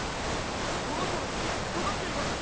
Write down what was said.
このひとのくつとがっています。